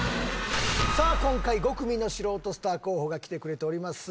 今回５組の素人スター候補が来てくれております。